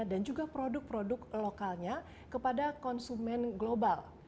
dan juga produk produk lokalnya kepada konsumen global